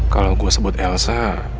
kalau gue sebut elsa